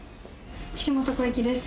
岸本小雪です